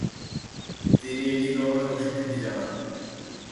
তিনি এটি গ্রহণে অস্বীকৃতি জানান।